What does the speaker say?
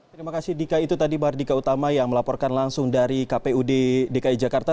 terima kasih dika itu tadi bardika utama yang melaporkan langsung dari kpud dki jakarta